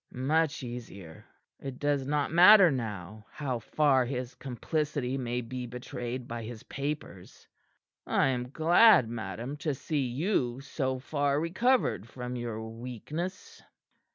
"Much easier. It does not matter now how far his complicity may be betrayed by his papers. I am glad, madam, to see you so far recovered from your weakness."